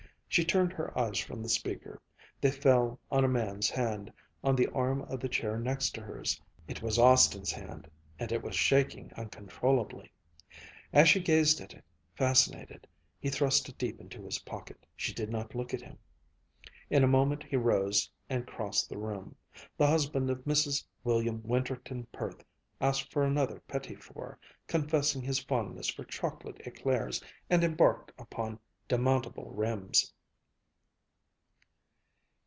She turned her eyes from the speaker. They fell on a man's hand, on the arm of the chair next hers. It was Austin's hand and it was shaking uncontrollably. As she gazed at it, fascinated, he thrust it deep into his pocket. She did not look at him. In a moment he rose and crossed the room. The husband of Mrs. William Winterton Perth asked for another petit four, confessing his fondness for chocolate éclairs, and embarked upon demountable rims.